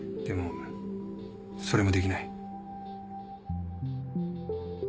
でもそれもできない。